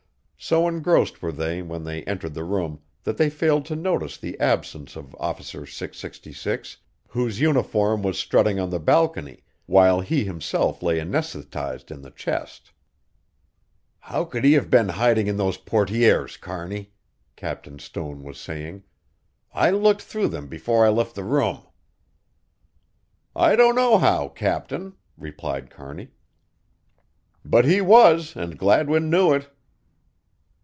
So engrossed were they when they entered the room that they failed to notice the absence of Officer 666, whose uniform was strutting on the balcony while he himself lay anæsthetized in the chest. "How could he have been hiding in those portières, Kearney?" Captain Stone was saying. "I looked through them before I left the room." "I don't know how, Captain," replied Kearney, "but he was and Gladwin knew it."